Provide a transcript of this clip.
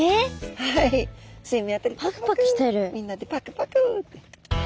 みんなでパクパク。